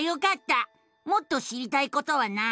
もっと知りたいことはない？